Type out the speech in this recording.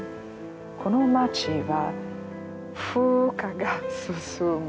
この町は風化が進む。